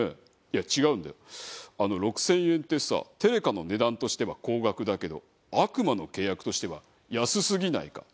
６０００円ってさテレカの値段としては高額だけど悪魔の契約としては安すぎないか？